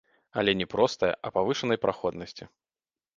Але не простае, а павышанай праходнасці.